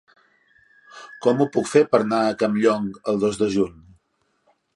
Com ho puc fer per anar a Campllong el dos de juny?